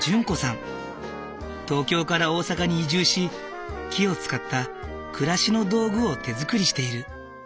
東京から大阪に移住し木を使った暮らしの道具を手作りしている。